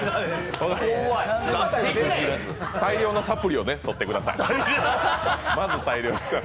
大量のサプリをとってください。